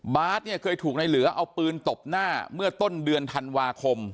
เนี่ยเคยถูกในเหลือเอาปืนตบหน้าเมื่อต้นเดือนธันวาคม